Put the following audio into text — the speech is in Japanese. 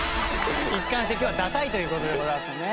一貫して今日はダサいという事でございますね。